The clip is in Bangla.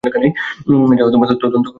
যা তদন্ত কমিটি নামে পরিচিত।